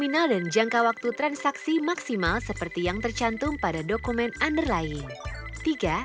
final dan jangka waktu transaksi maksimal seperti yang tercantum pada dokumen underlying tiga